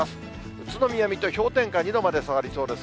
宇都宮、水戸、氷点下２度まで下がりそうです。